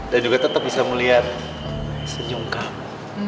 dan juga tetap bisa melihat senyum kamu